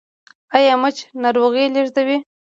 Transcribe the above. ایا مچ ناروغي لیږدوي؟